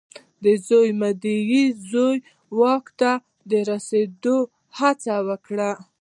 د زوړ مدعي زوی واک ته د رسېدو هڅه وکړه.